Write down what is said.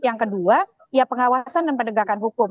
yang kedua ya pengawasan dan penegakan hukum